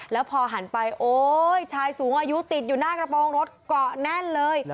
แล้วพอหันไปโอ๊ยชายสูงอายุติดอยู่หน้ากระโปรงรถเกาะแน่นเลย